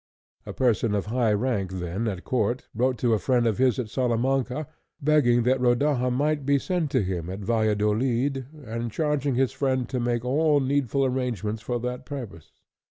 A person of high rank then at Court wrote to a friend of his at Salamanca, begging that Rodaja might be sent to him at Valladolid, and charging his friend to make all needful arrangements for that purpose.